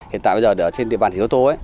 hiện tại bây giờ ở trên địa bàn thiếu tố